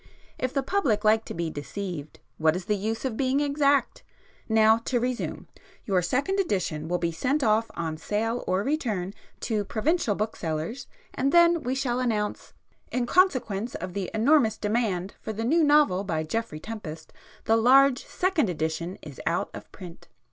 If the public like to be deceived, what is the use of being exact! Now, to resume,—your second edition will be sent off 'on sale or return' to provincial booksellers, and then we shall announce—"In consequence of the Enormous Demand for the new novel by Geoffrey Tempest, the Large Second Edition is out of print.